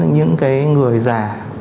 những người già